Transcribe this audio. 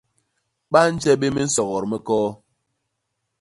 Ba nje bé minsogot mi koo.